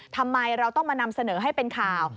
ทำไมเราต้องมานำเสนอให้เป็นข่าว